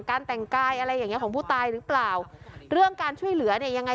แต่งกายอะไรอย่างเงี้ของผู้ตายหรือเปล่าเรื่องการช่วยเหลือเนี่ยยังไง